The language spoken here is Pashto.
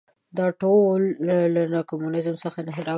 دا ټول له نګه کمونیزم څخه انحراف ګڼي.